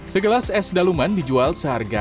segelas es daluman dijual seharga rp lima ribu